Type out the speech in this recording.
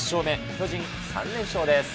巨人、３連勝です。